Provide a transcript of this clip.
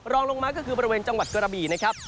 รองลงมาก็คือบริเวณจังหวัดกระบี่นะครับ